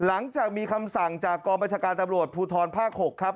หลังจากมีคำสั่งจากกองประชาการตำรวจภูทรภาค๖ครับ